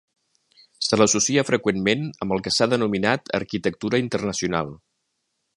Se l'associa freqüentment amb el que s'ha denominat arquitectura internacional.